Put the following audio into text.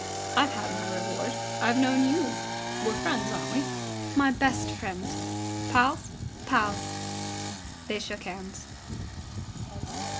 "I've had my reward. I've known you. We're friends, aren't we?" "My best friend." "Pals?" "Pals!" They shook hands.